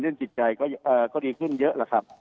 เรื่องจิตใจก็ดีขึ้นเยอะนะครับ